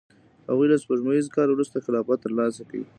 هغوی له سپوږمیز کال وروسته خلافت ترلاسه کړ.